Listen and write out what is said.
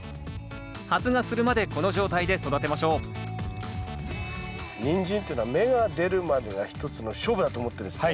発芽するまでこの状態で育てましょうニンジンっていうのは芽が出るまでが一つの勝負だと思ってですね